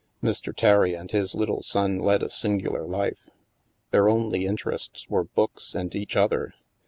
Mr. Terry and his little son led a singular life. Their only interests were books and each other.